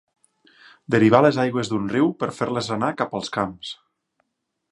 Derivar les aigües d'un riu per fer-les anar cap als camps.